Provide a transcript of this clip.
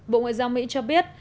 bộ ngoại giao mỹ cho biết